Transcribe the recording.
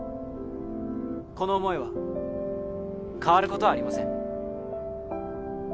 この思いは変わることはありません